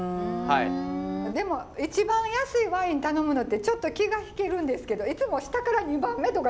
でも一番安いワイン頼むのってちょっと気が引けるんですけどいつも下から２番目とかにするんですけどね！